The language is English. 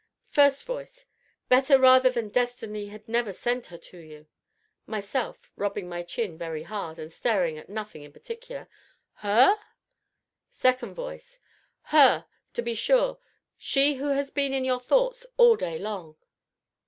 FIRST VOICE. Better rather that Destiny had never sent her to you. MYSELF (rubbing my chin very hard, and staring at nothing in particular). Her? SECOND VOICE. Her! to be sure, she who has been in your thoughts all day long.